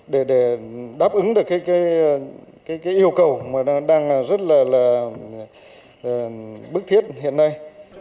để đáp ứng được cái yêu cầu mà nó đang rất là bức thiết hiện nay